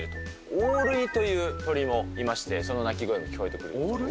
オオルリという鳥もいまして、その鳴き声も聞こえてくる。